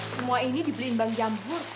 semua ini dibeliin bang jamhur